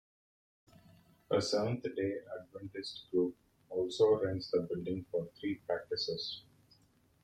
A Seventh-Day Adventist group also rents the building for three practices.